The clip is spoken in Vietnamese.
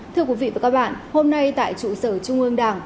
thưa quý vị và các bạn hôm nay tại trụ sở trung ương đảng